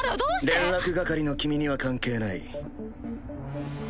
連絡係の君には関係ない。